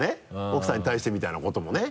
奥さんに対してみたいなこともね。